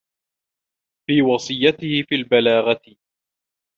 فِي وَصِيَّتِهِ فِي الْبَلَاغَةِ